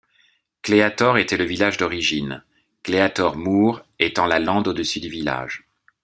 Cleator était le village d'origine, Cleator Moor étant la lande au-dessus du village.